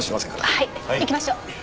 はい行きましょう。